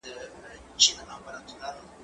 زه کتابونه نه وړم؟!